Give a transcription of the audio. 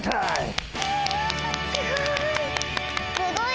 すごい！